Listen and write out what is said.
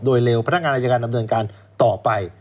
โดยเร็วพนักงานอายการดำเนินการต่อไป